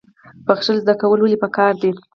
بخښل زده کول ولې پکار دي؟